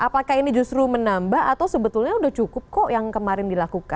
apakah ini justru menambah atau sebetulnya sudah cukup kok yang kemarin dilakukan